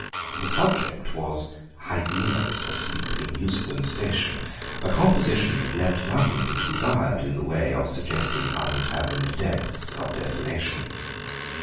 The subject was "Hyænas asleep in Euston Station," a composition that left nothing to be desired in the way of suggesting unfathomed depths of desolation.